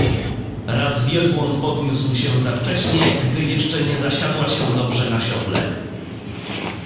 Raz wielbłąd podniósł się za wcześnie, gdy jeszcze nie zasiadła się dobrze na siodle.